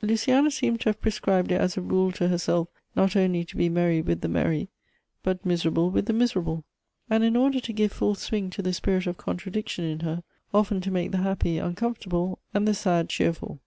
Luciana seemed to have prescribed it as a rule to herself not only to be merry with the merrj', but miserable with the miserable ; and in order to give full swing to the spirit of contradiction in her, often to make the happy, uncomfortable, and the sad, cheerful.